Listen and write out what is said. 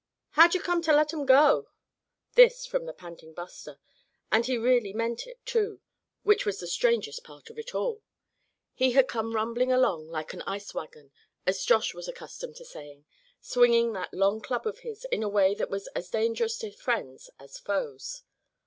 "How'd you come to let 'em go?" This from the panting Buster, and he really meant it, too, which was the strangest part of it all; he had come rumbling along like an ice wagon, as Josh was accustomed to saying, swinging that long club of his in a way that was as dangerous to friends as foes.